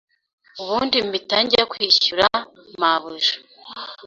ubundi mpita njya kwishyura mabuja,